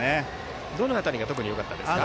どの辺りが特によかったでしたか？